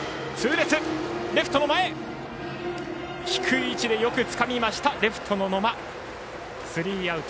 低い位置でよくつかみましたレフトの野間、スリーアウト。